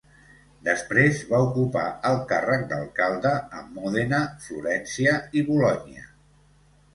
Després va ocupar el càrrec d'alcalde a Mòdena, Florència i Bolonya.